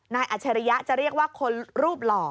อัจฉริยะจะเรียกว่าคนรูปหล่อ